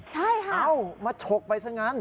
ใช่ค่ะเอ้ามาฉกไปซะงั้น